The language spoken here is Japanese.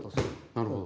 なるほど。